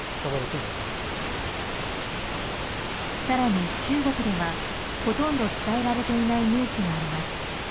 更に、中国ではほとんど伝えられていないニュースがあります。